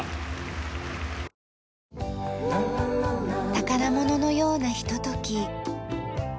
宝物のようなひととき。